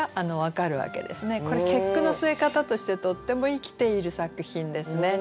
これ結句の据え方としてとっても生きている作品ですね。